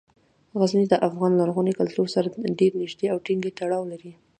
غزني د افغان لرغوني کلتور سره ډیر نږدې او ټینګ تړاو لري.